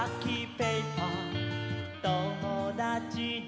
ペーパーともだちで」